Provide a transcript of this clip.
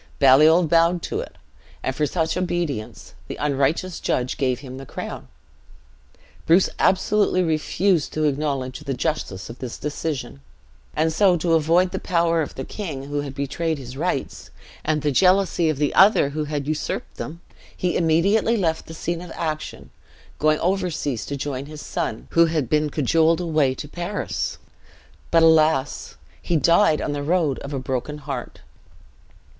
Baliol bowed to it; and for such obedience, the unrighteous judge gave him the crown. Bruce absolutely refused to acknowledge the justice of this decision; and so to avoid the power of the king who had betrayed his rights, and the jealousy of the other who had usurped them, he immediately left the scene of action, going over seas, to join his son, who had been cajoled away to Paris. But, alas! he died on the road of a broken heart.